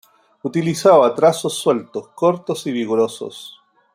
Utilizaba trazos sueltos, cortos y vigorosos.